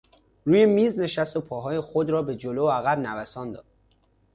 روی میز نشست و پاهای خود را به جلو و عقب نوسان داد.